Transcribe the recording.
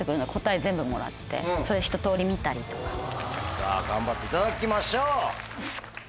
さぁ頑張っていただきましょう。